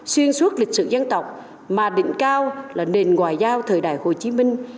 xuyên suốt lịch sử dân tộc mà đỉnh cao là nền ngoại giao thời đại hồ chí minh